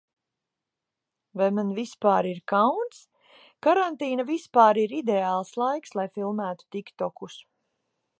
Vai man vispār ir kauns? Karantīna vispār ir ideāls laiks, lai filmētu tiktokus.